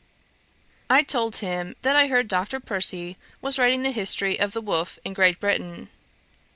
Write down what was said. I told him, that I heard Dr. Percy was writing the history of the wolf in Great Britain.